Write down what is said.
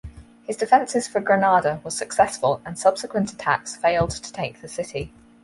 His defenses for Granada were successful and subsequent attacks failed to take the city.